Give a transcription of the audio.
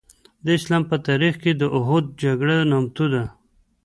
د اسلام په تاریخ کې د اوحد جګړه نامتو ده.